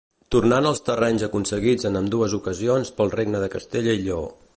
Tornant els terrenys aconseguits en ambdues ocasions pel regne de Castella i Lleó.